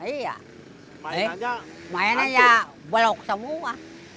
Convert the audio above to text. iya mainannya belok semua